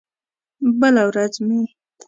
بله ورځ مې